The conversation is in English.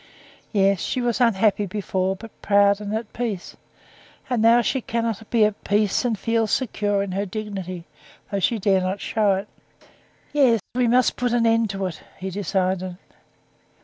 "Yes, she was unhappy before, but proud and at peace; and now she cannot be at peace and feel secure in her dignity, though she does not show it. Yes, we must put an end to it," he decided.